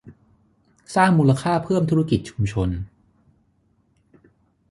สร้างมูลค่าเพิ่มธุรกิจชุมชน